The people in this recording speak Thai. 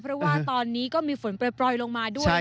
เพราะว่าตอนนี้ก็มีฝนปล่อยลงมาด้วย